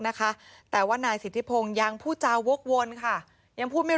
นะคะแต่ว่านายสิทธิพงศ์ยังพูดจาวกวนค่ะยังพูดไม่